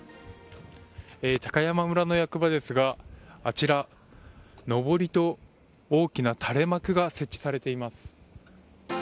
高山村の役場ですがあちら、のぼりと大きな垂れ幕が設置されています。